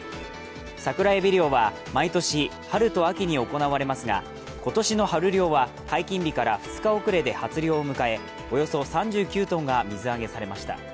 サクラエビ漁は毎年春と秋に行われますが今年の春漁は解禁日から２日遅れで初漁を迎えおよそ３９ｔが水揚げされました。